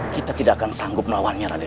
kita tidak akan sanggup melawannya nanti